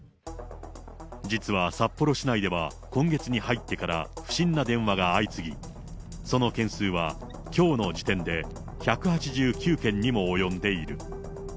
実は札幌市内では今月に入ってから不審な電話が相次ぎ、その件数はきょうの時点で１８９件にも及んでいる。